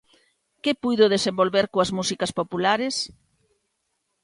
Que puido desenvolver coas músicas populares.